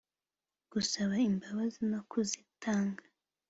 gusaba imbabazi no kuzitanga